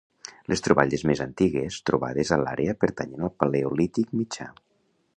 Les troballes més antigues trobades a l'àrea pertanyen al Paleolític mitjà.